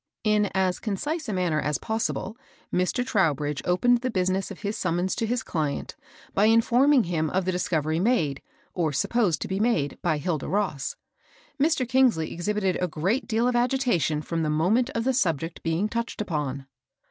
In as concise a manner as possible, Mr. Trow bridge opened the business of his summons to his client by informing him of the discovery made, or supposed to be made, by Hilda Ross. Mr. Kingsley exhibited a great deal of agitation from the moment of the subject being touched upon.